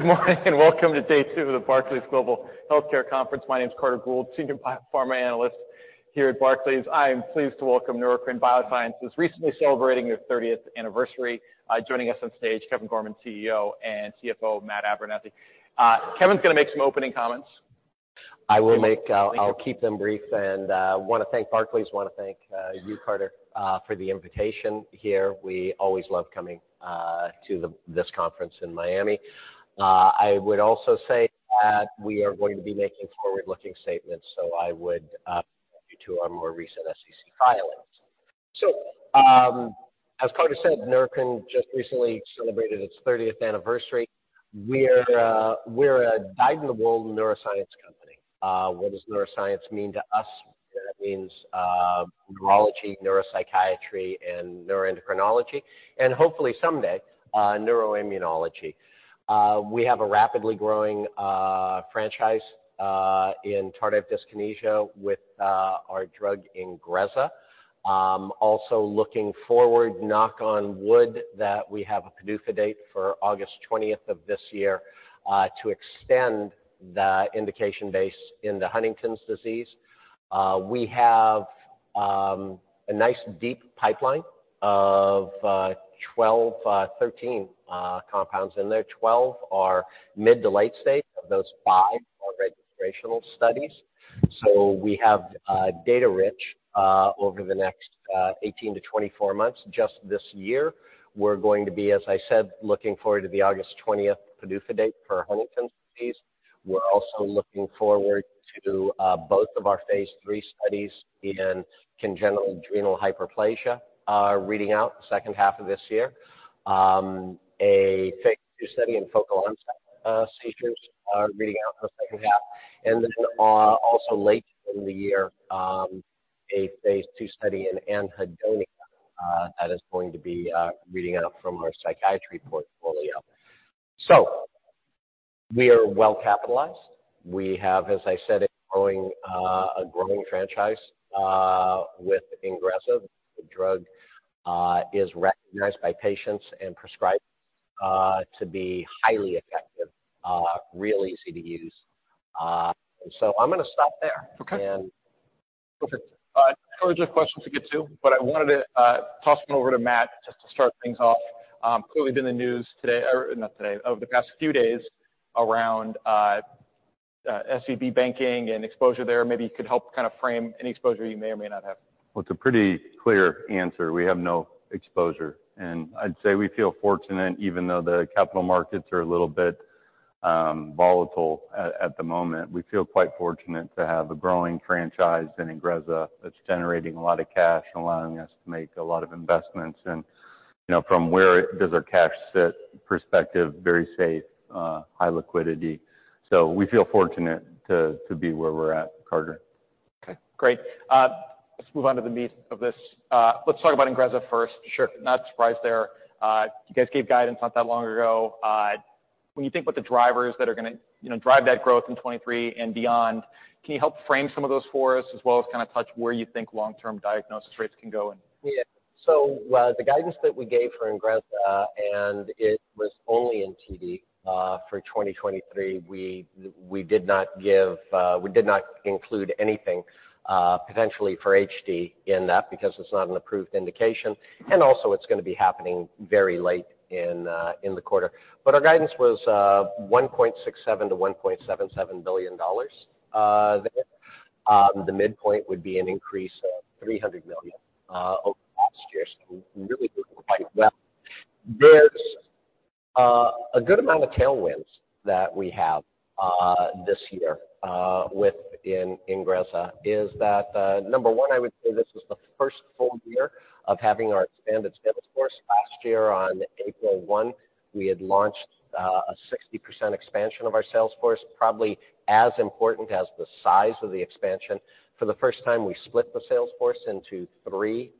Good morning, welcome to Day Two of the Barclays Global Healthcare Conference. My name is Carter Gould, Senior Biopharma Analyst here at Barclays. I am pleased to welcome Neurocrine Biosciences, recently celebrating their 30th anniversary. Joining us on stage, Kevin Gorman, CEO, and CFO, Matt Abernethy. Kevin's gonna make some opening comments. I will make. Thank you. I'll keep them brief. Wanna thank Barclays, wanna thank you, Carter, for the invitation here. We always love coming to this conference in Miami. I would also say that we are going to be making forward-looking statements, so I would refer you to our more recent SEC filings. As Carter said, Neurocrine just recently celebrated its 30th anniversary. We're a guide in the world neuroscience company. What does neuroscience mean to us? That means neurology, neuropsychiatry, and neuroendocrinology, and hopefully someday, neuroimmunology. We have a rapidly growing franchise in tardive dyskinesia with our drug INGREZZA. Also looking forward, knock on wood, that we have a PDUFA date for August 20th of this year to extend the indication base into Huntington's disease. We have a nice deep pipeline of 12, 13 compounds in there. 12 are mid- to late stage. Of those, five are registrational studies. We have data rich over the next 18-24 months. Just this year, we're going to be, as I said, looking forward to the August 20th PDUFA date for Huntington's disease. We're also looking forward to both of our phase III studies in congenital adrenal hyperplasia reading out second half of this year. A phase II study in focal onset seizures reading out in the second half. Also late in the year, a phase II study in anhedonia that is going to be reading out from our psychiatry portfolio. We are well capitalized. We have, as I said, a growing franchise, with INGREZZA. The drug is recognized by patients and prescribed to be highly effective, really easy to use. I'm gonna stop there. Okay. And- Perfect. Ton of questions to get to, but I wanted to toss one over to Matt just to start things off. Clearly been in the news today, or not today, over the past few days around SVB banking and exposure there. Maybe you could help kind of frame any exposure you may or may not have. Well, it's a pretty clear answer. We have no exposure. I'd say we feel fortunate even though the capital markets are a little bit volatile at the moment. We feel quite fortunate to have a growing franchise in INGREZZA that's generating a lot of cash, allowing us to make a lot of investments and, you know, from where does our cash sit perspective, very safe, high liquidity. We feel fortunate to be where we're at, Carter. Okay, great. Let's move on to the meat of this. Let's talk about INGREZZA first. Sure. Not surprised there. You guys gave guidance not that long ago. When you think about the drivers that are gonna, you know, drive that growth in 2023 and beyond, can you help frame some of those for us as well as kind of touch where you think long-term diagnosis rates can go? The guidance that we gave for INGREZZA, and it was only in TD, for 2023. We did not include anything potentially for HD in that because it's not an approved indication. It's gonna be happening very late in the quarter. Our guidance was $1.67 billion-$1.77 billion. The midpoint would be an increase of $300 million over last year's. Really doing quite well. There's a good amount of tailwinds that we have this year with INGREZZA is that, number one, I would say this was the first full year of having our expanded sales force. Last year on April 1, we had launched a 60% expansion of our sales force. Probably as important as the size of the expansion, for the first time, we split the sales force into three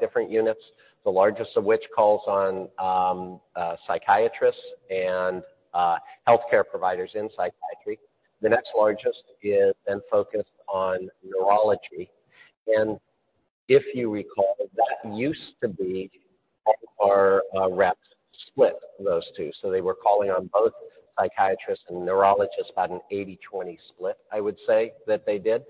different units. The largest of which calls on psychiatrists and healthcare providers in psychiatry. The next largest is then focused on neurology. If you recall, that used to be our reps split those two. They were calling on both psychiatrists and neurologists about an 80/20 split, I would say that they did.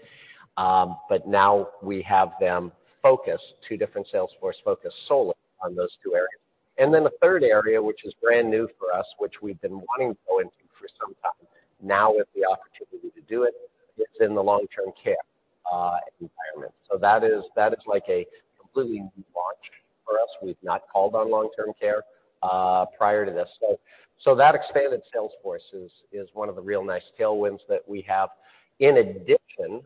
Now we have them focused, two different sales force focused solely on those two areas. The third area, which is brand new for us, which we've been wanting to go into for some time now with the opportunity to do it's in the long-term care environment. That is like a completely new launch for us. We've not called on long-term care prior to this. That expanded sales force is one of the real nice tailwinds that we have. In addition,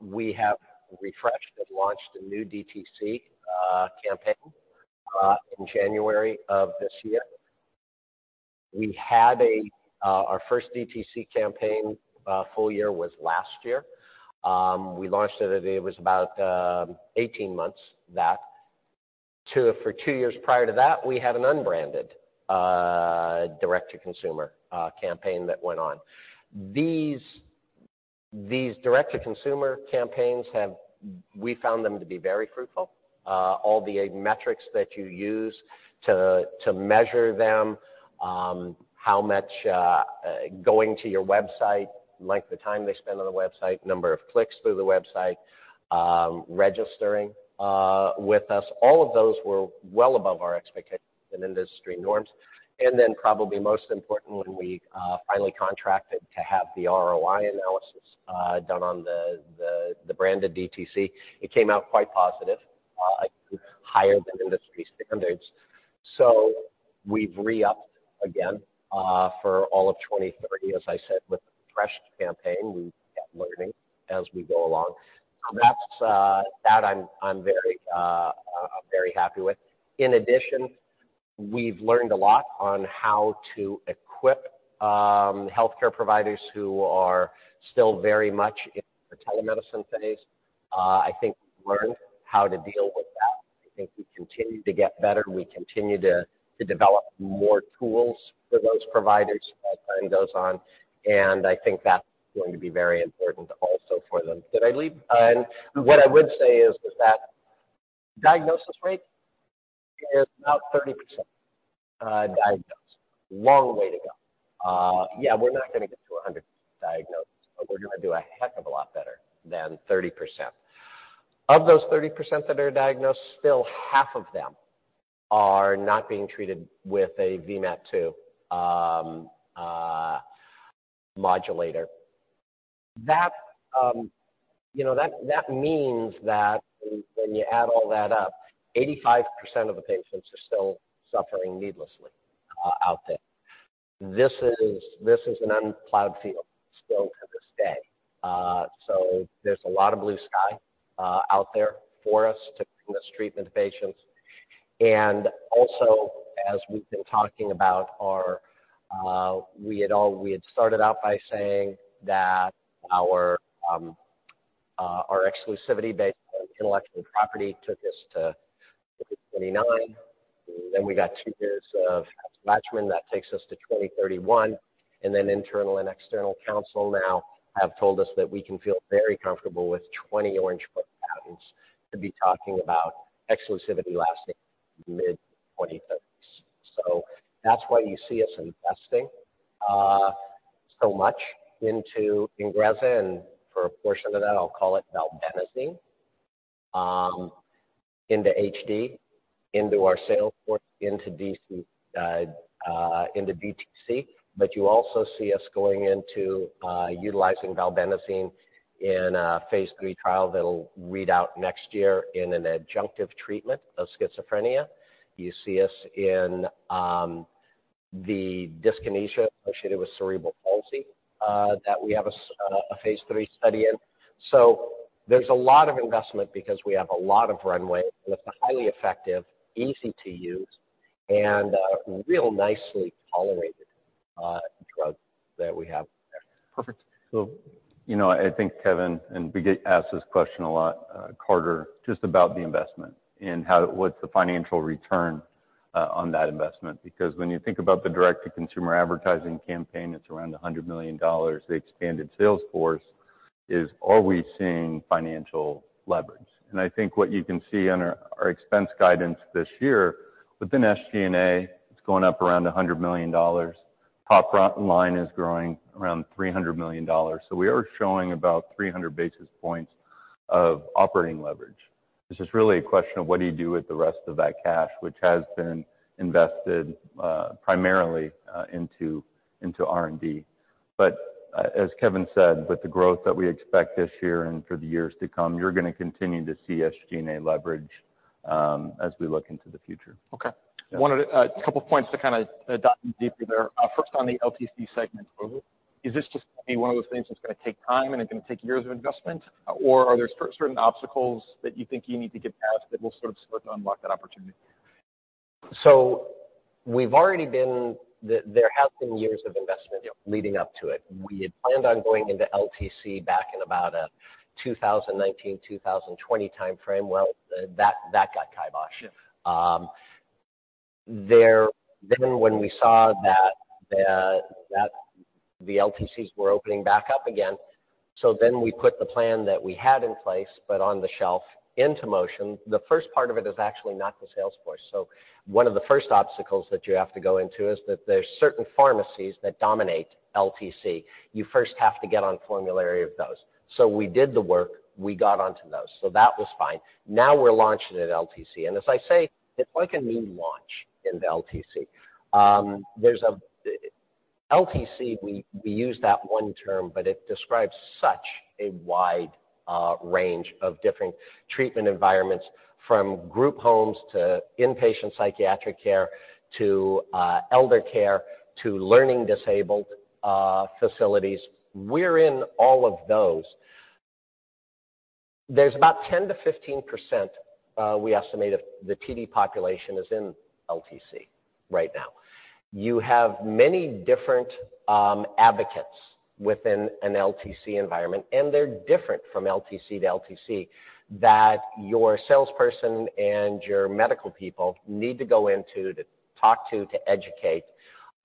we have refreshed and launched a new DTC campaign in January of this year. We had our first DTC campaign full year was last year. We launched it was about 18 months back. For two years prior to that, we had an unbranded direct-to-consumer campaign that went on. These direct-to-consumer campaigns we found them to be very fruitful. All the metrics that you use to measure them, how much going to your website, length of time they spend on the website, number of clicks through the website, registering with us. All of those were well above our expectations and industry norms. Probably most important, when we finally contracted to have the ROI analysis done on the branded DTC, it came out quite positive, higher than industry standards. We've re-upped again for all of 2030, as I said, with a fresh campaign. We keep learning as we go along. That I'm very happy with. In addition, we've learned a lot on how to equip healthcare providers who are still very much in the telemedicine phase. I think we've learned how to deal with that. I think we continue to get better. We continue to develop more tools for those providers as time goes on, and I think that's going to be very important also for them. Did I leave... What I would say is that diagnosis rate is about 30% diagnosed. Long way to go. Yeah, we're not going to get to 100 diagnosed, but we're going to do a heck of a lot better than 30%. Of those 30% that are diagnosed, still half of them are not being treated with a VMAT2 modulator. That, you know, that means that when you add all that up, 85% of the patients are still suffering needlessly out there. This is, this is an unplowed field still to this day. There's a lot of blue sky out there for us to bring this treatment to patients. As we've been talking about our exclusivity based on intellectual property took us to 2029. We got two years of matchment. That takes us to 2031. Internal and external counsel now have told us that we can feel very comfortable with 20 Orange Book patents to be talking about exclusivity lasting mid-2030s. That's why you see us investing so much into INGREZZA, and for a portion of that, I'll call it valbenazine, into HD, into our sales force, into DTC. You also see us going into utilizing valbenazine in a phase three trial that'll read out next year in an adjunctive treatment of schizophrenia. You see us in, the dyskinesia associated with cerebral palsy, that we have a phase three study in. There's a lot of investment because we have a lot of runway with a highly effective, easy to use and, real nicely tolerated, drug that we have there. Perfect. You know, I think Kevin, and we get asked this question a lot, Carter, just about the investment and what's the financial return on that investment? Because when you think about the direct to consumer advertising campaign, it's around $100 million. The expanded sales force, are we seeing financial leverage? I think what you can see on our expense guidance this year within SG&A, it's going up around $100 million. Top line is growing around $300 million. We are showing about 300 basis points of operating leverage. It's just really a question of what do you do with the rest of that cash, which has been invested primarily into R&D. As Kevin said, with the growth that we expect this year and for the years to come, you're going to continue to see SG&A leverage as we look into the future. Okay. Wanted a couple of points to kind of dive in deeper there. First, on the LTC segment. Is this just going to be one of those things that's going to take time and it's going to take years of investment? Are there certain obstacles that you think you need to get past that will sort of unlock that opportunity? There have been years of investment leading up to it. We had planned on going into LTC back in about a 2019, 2020 timeframe. That got kiboshed. Sure. When we saw that the LTCs were opening back up again. We put the plan that we had in place but on the shelf into motion. The first part of it is actually not the sales force. One of the first obstacles that you have to go into is that there's certain pharmacies that dominate LTC. You first have to get on formulary of those. We did the work, we got onto those, so that was fine. Now we're launching at LTC and as I say, it's like a new launch in the LTC. LTC, we use that one term, but it describes such a wide range of different treatment environments, from group homes to inpatient psychiatric care to elder care to learning disabled facilities. We're in all of those. There's about 10%-15% we estimate of the TD population is in LTC right now. You have many different advocates within an LTC environment. They're different from LTC-to-LTC that your salesperson and your medical people need to go into to talk to educate,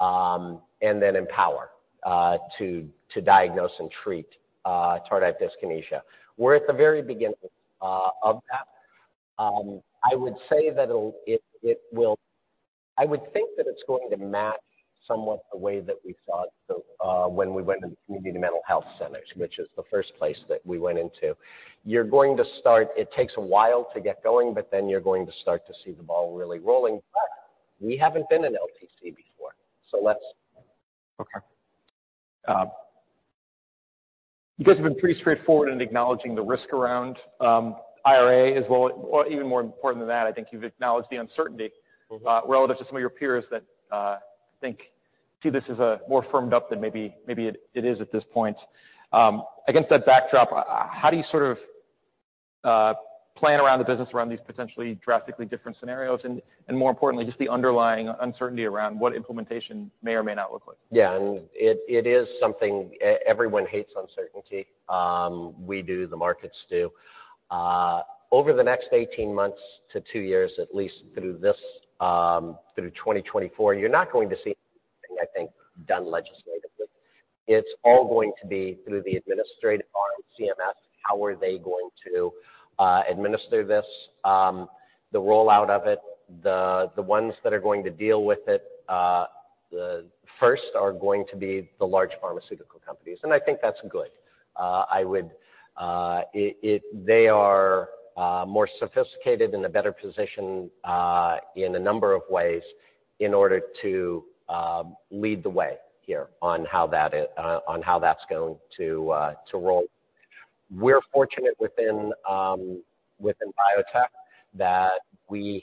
and then empower to diagnose and treat tardive dyskinesia. We're at the very beginning of that. I would say that it will. I would think that it's going to match somewhat the way that we saw it. When we went into community mental health centers, which is the first place that we went into. It takes a while to get going. You're going to start to see the ball really rolling. We haven't been in LTC before. Okay. You guys have been pretty straightforward in acknowledging the risk around IRA as well. Even more important than that, I think you've acknowledged the uncertainty relative to some of your peers that, I think see this as a more firmed up than maybe it is at this point. Against that backdrop, how do you sort of, plan around the business around these potentially drastically different scenarios and more importantly, just the underlying uncertainty around what implementation may or may not look like? Yeah. It, it is something everyone hates uncertainty. We do, the markets do. Over the next 18 months to 2 years, at least through this, through 2024, you're not going to see anything, I think, done legislatively. It's all going to be through the administrative arm, CMS. How are they going to administer this, the rollout of it. The ones that are going to deal with it, the first are going to be the large pharmaceutical companies, and I think that's good. I would. They are more sophisticated in a better position, in a number of ways in order to lead the way here on how that on how that's going to roll. We're fortunate within biotech that we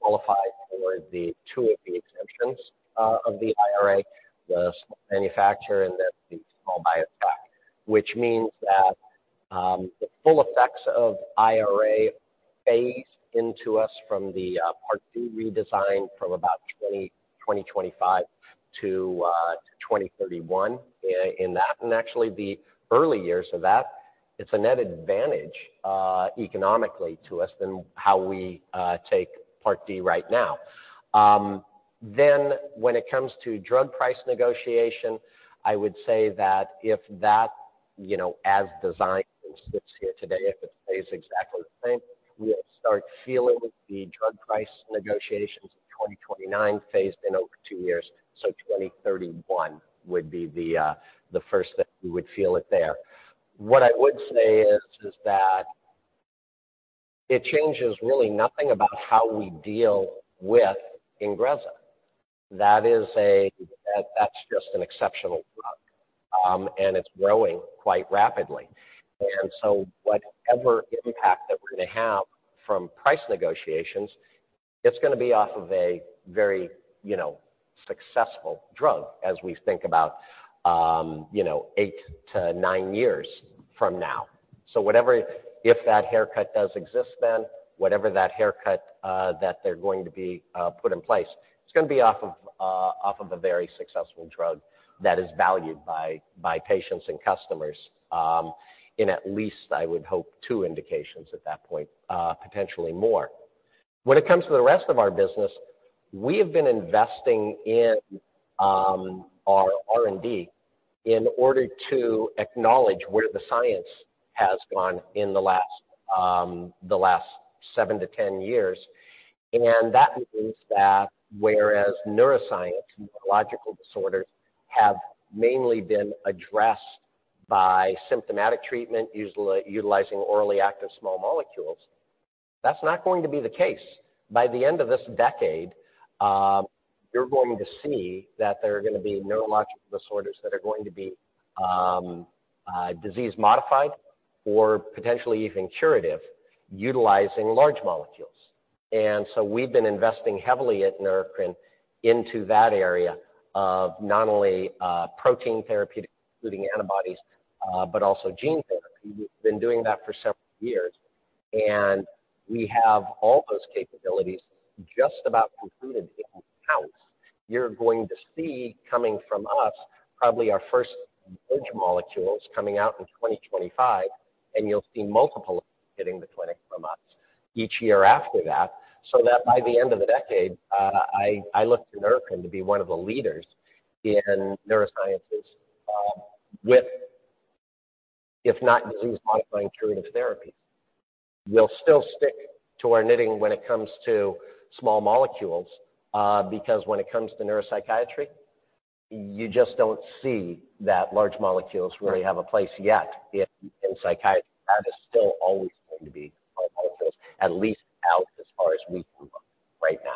qualify for the two of the exemptions of the IRA, the small manufacturer and then the small biotech. Which means that the full effects of IRA phase into us from the Part D redesign from about 2025 to 2031 in that. Actually, the early years of that, it's a net advantage economically to us than how we take Part D right now. When it comes to drug price negotiation, I would say that if that, you know, as designed and sits here today, if it stays exactly the same, we'll start feeling the drug price negotiations in 2029 phased in over two years, so 2031 would be the first that we would feel it there. What I would say is that it changes really nothing about how we deal with INGREZZA. That's just an exceptional drug, and it's growing quite rapidly. Whatever impact that we're gonna have from price negotiations, it's gonna be off of a very, you know, successful drug as we think about, you know, eight to nine years from now. If that haircut does exist then, whatever that haircut that they're going to be put in place, it's gonna be off of a very successful drug that is valued by patients and customers, in at least, I would hope, two indications at that point, potentially more. When it comes to the rest of our business, we have been investing in our R&D in order to acknowledge where the science has gone in the last seven to 10 years. That means that whereas neuroscience and neurological disorders have mainly been addressed by symptomatic treatment, utilizing orally active small molecules, that's not going to be the case. By the end of this decade, you're going to see that there are gonna be neurological disorders that are going to be disease modified or potentially even curative, utilizing large molecules. We've been investing heavily at Neurocrine into that area of not only protein therapeutics, including antibodies, but also gene therapy. We've been doing that for several years, and we have all those capabilities just about concluded in-house. You're going to see coming from us probably our first large molecules coming out in 2025. You'll see multiple of them hitting the clinic from us each year after that, so that by the end of the decade, I look to Neurocrine to be one of the leaders in neurosciences, with if not disease modifying curative therapies. We'll still stick to our knitting when it comes to small molecules, because when it comes to neuropsychiatry, you just don't see that large molecules really have a place yet in psychiatry. That is still always going to be small molecules, at least out as far as we can look right now.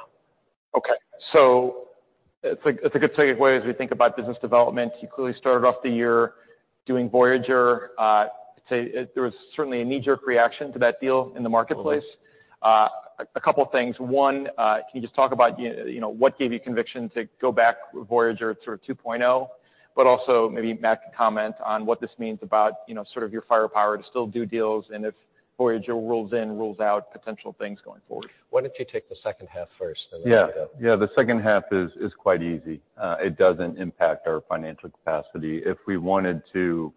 It's a good segue as we think about business development. You clearly started off the year doing Voyager. I'd say there was certainly a knee-jerk reaction to that deal in the marketplace. Couple of things. One, can you just talk about you know, what gave you conviction to go back with Voyager sort of 2.0? Also maybe Matt can comment on what this means about, you know, sort of your firepower to still do deals and if Voyager rules in, rules out potential things going forward. Why don't you take the second half first, and then I'll pick it up. Yeah. Yeah. The second half is quite easy. It doesn't impact our financial capacity. If we wanted to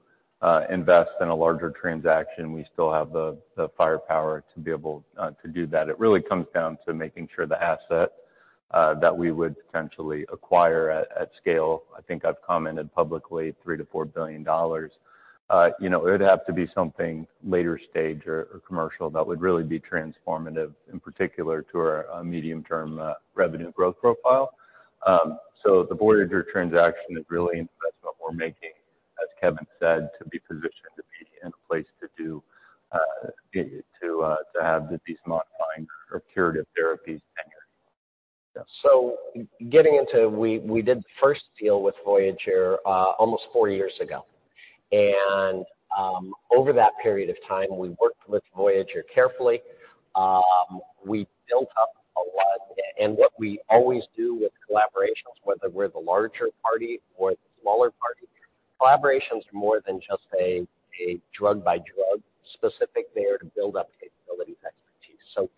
invest in a larger transaction, we still have the firepower to be able to do that. It really comes down to making sure the asset That we would potentially acquire at scale. I think I've commented publicly $3 billion-$4 billion. You know, it would have to be something later stage or commercial that would really be transformative, in particular to our medium-term revenue growth profile. So the Voyager Therapeutics transaction is really an investment we're making, as Kevin Gorman said, to be positioned to be in a place to do to have the disease modifying or curative therapies tenured. We did the first deal with Voyager almost four years ago. Over that period of time, we worked with Voyager carefully. We built up a lot. What we always do with collaborations, whether we're the larger party or the smaller party, collaborations are more than just a drug-by-drug specific there to build up capabilities, expertise.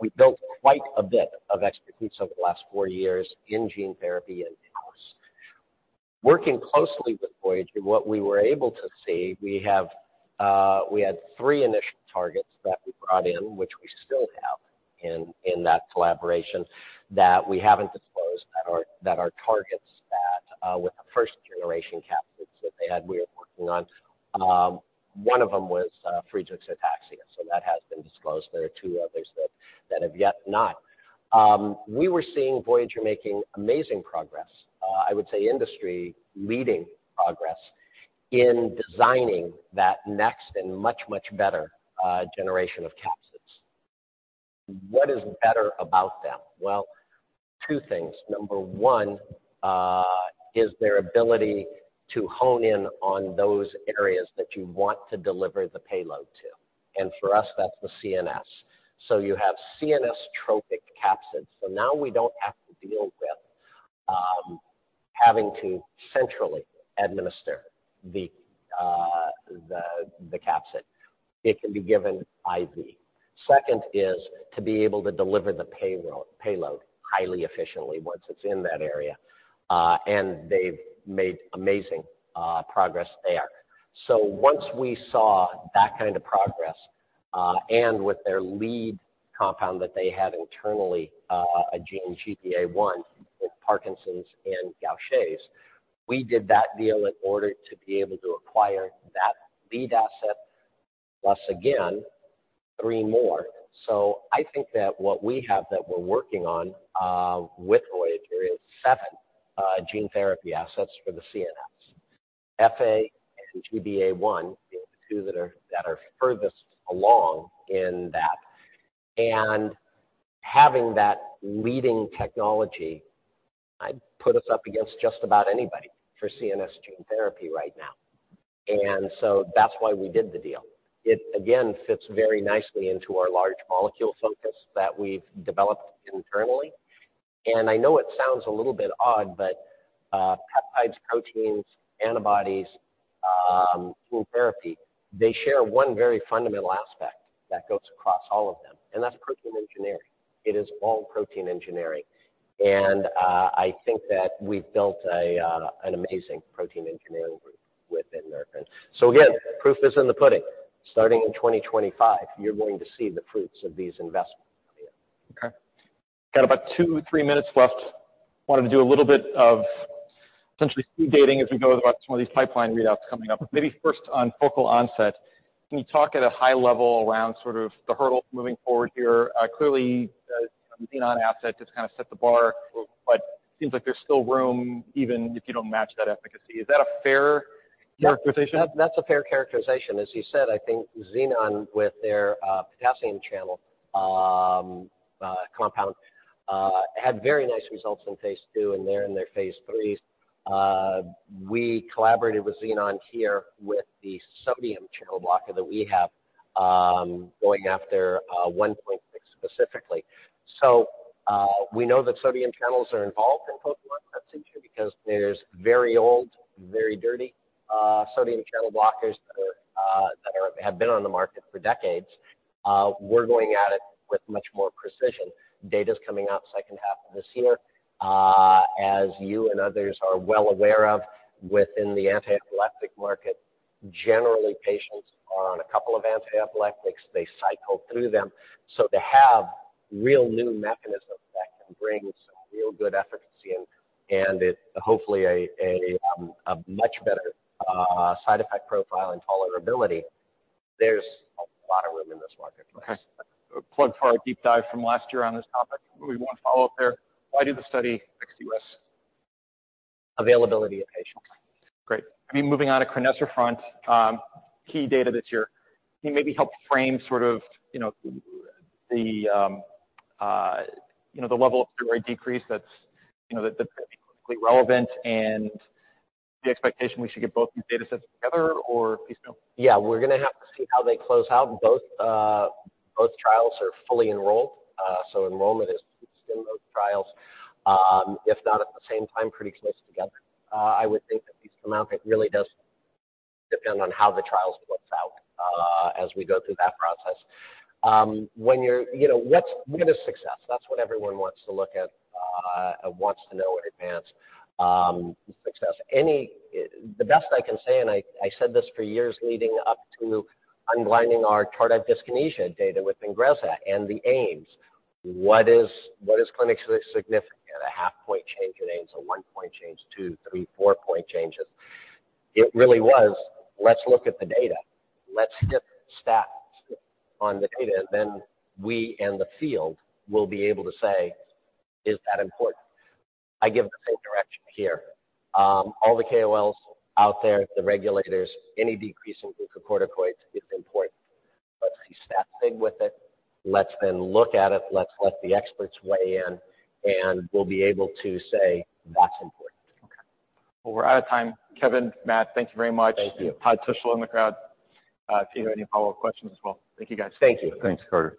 We built quite a bit of expertise over the last four years in gene therapy in-house. Working closely with Voyager, what we were able to see, we have, we had three initial targets that we brought in, which we still have in that collaboration that we haven't disclosed that are targets that with the first generation capsids that they had, we are working on. One of them was Friedreich's ataxia, that has been disclosed. There are two others that have yet not. We were seeing Voyager making amazing progress, I would say industry-leading progress in designing that next and much, much better generation of capsids. What is better about them? Well, two things. Number one, is their ability to hone in on those areas that you want to deliver the payload to. For us, that's the CNS. You have CNS-tropic capsids. Now we don't have to deal with having to centrally administer the capsid. It can be given IV. Second is to be able to deliver the payload highly efficiently once it's in that area. They've made amazing progress there. Once we saw that kind of progress, and with their lead compound that they had internally, a gene GBA1 with Parkinson's and Gaucher's, we did that deal in order to be able to acquire that lead asset, plus again, three more. I think that what we have that we're working on with Voyager is seven gene therapy assets for the CNS. FA and GBA1 being the two that are furthest along in that. Having that leading technology, I'd put us up against just about anybody for CNS gene therapy right now. That's why we did the deal. It again, fits very nicely into our large molecule focus that we've developed internally. I know it sounds a little bit odd, but peptides, proteins, antibodies, gene therapy, they share one very fundamental aspect that goes across all of them, and that's protein engineering. It is all protein engineering. I think that we've built an amazing protein engineering group within Neurocrine. Again, proof is in the pudding. Starting in 2025, you're going to see the fruits of these investments. Okay. Got about two, three minutes left. Wanted to do a little bit of potentially speed dating as we know about some of these pipeline readouts coming up. Maybe first on focal onset. Can you talk at a high level around sort of the hurdle moving forward here? Clearly, you know Xenon asset just kinda set the bar, but seems like there's still room even if you don't match that efficacy. Is that a fair characterization? Yeah. That's a fair characterization. As you said, I think Xenon with their potassium channel compound had very nice results in phase II. They're in their phase IIIs. We collaborated with Xenon here with the sodium channel blocker that we have going after 1.6 specifically. We know that sodium channels are involved in focal onset seizure because there's very old, very dirty sodium channel blockers that have been on the market for decades. We're going at it with much more precision. Data's coming out second half of this year. As you and others are well aware of within the antiepileptic market, generally, patients are on a couple of antiepileptics. They cycle through them. To have real new mechanisms that can bring some real good efficacy and it...hopefully a much better side effect profile and tolerability, there's a lot of room in this market. Okay. A plug for our deep dive from last year on this topic. Maybe one follow-up there. Why do the study ex-U.S? Availability of patients. Great. I mean, moving on to crinecerfont, key data this year. Can you maybe help frame sort of, you know, the, you know, the level of steroid decrease that's, you know, that could be clinically relevant and the expectation we should get both these datasets together or please no? Yeah. We're gonna have to see how they close out. Both trials are fully enrolled. Enrollment is in both trials. If not at the same time, pretty close together. I would think at least amount, it really does depend on how the trials works out as we go through that process. You know, what is success? That's what everyone wants to look at, wants to know in advance. Success. The best I can say, and I said this for years leading up to unblinding our tardive dyskinesia data with INGREZZA and the AIMS, what is clinically significant? A half point change in AIMS, a one-point change, two, three, four-point changes. It really was, let's look at the data. Let's get stats on the data, and then we and the field will be able to say, "Is that important?" I give the same direction here. All the KOLs out there, the regulators, any decrease in glucocorticoids is important. Let's see statistical significance with it. Let's then look at it. Let's let the experts weigh in, and we'll be able to say that's important. Okay. Well, we're out of time. Kevin, Matt, thank you very much. Thank you. Todd Tushla in the crowd. If you have any follow-up questions as well. Thank you, guys. Thank you. Thanks, Carter.